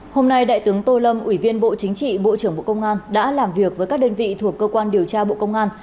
hôm nay đại tướng tô lâm ủy viên bộ chính trị bộ trưởng bộ công an đã làm việc với các đơn vị thuộc cơ quan điều tra bộ công an